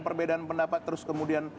perbedaan pendapat terus kemudian